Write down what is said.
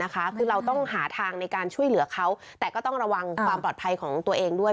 การช่วยเหลือเขาแต่ก็ต้องระวังความปลอดภัยของตัวเองด้วย